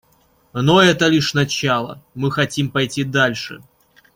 Но это лишь начало; мы хотим пойти дальше.